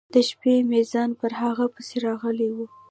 د شپې میږیان پر هغه پسې راغلي و.